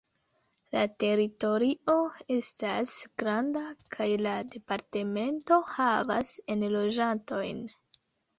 La teritorio estas granda, kaj la departemento havas enloĝantojn.